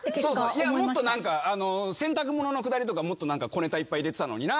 いやもっと洗濯物のくだりとかもっと小ネタいっぱい入れてたのにな。